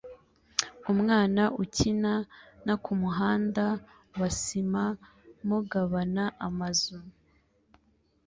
Umwana ukina na kumuhanda wa sima mugabana amazu